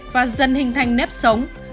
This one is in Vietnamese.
và dần hình thành nếp sống